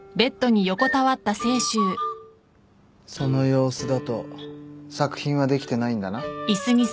その様子だと作品はできてないんだな？